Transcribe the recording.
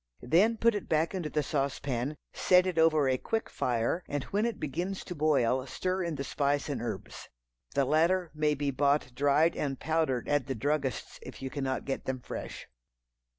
Then put it back into the sauce pan, set it over a quick fire, and when it begins to boil, stir in the spice and herbs. (The latter may be bought dried and powdered at the druggist's if you cannot get them fresh.)